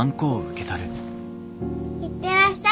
行ってらっしゃい。